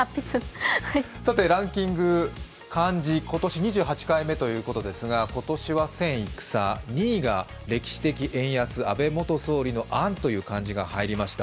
ランキング、漢字今年２８回目ということですが、今年は「戦」、２位が歴史的円安、安倍元首相の「安」という文字が入りました。